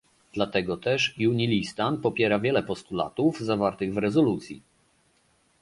Dlatego też Junilistan popiera wiele postulatów zawartych w rezolucji